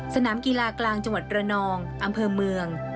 สนามกีฬากลางจังหวัดระนองอำเภอเมือง